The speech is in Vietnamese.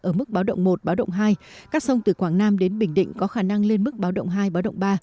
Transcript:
ở mức báo động một báo động hai các sông từ quảng nam đến bình định có khả năng lên mức báo động hai báo động ba